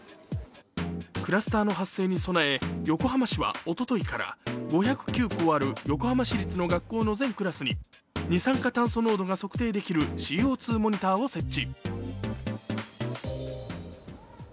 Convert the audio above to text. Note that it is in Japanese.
クラスターの発生に備え横浜市はおとといから５０９校ある横浜市立の学校の全クラスに二酸化炭素濃度が測定できるＣＯ２モニターを設置。